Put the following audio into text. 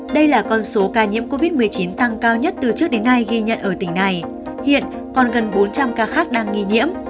đây là con số ca nhiễm covid một mươi chín tăng cao nhất từ trước đến nay ghi nhận ở tỉnh này hiện còn gần bốn trăm linh ca khác đang nghi nhiễm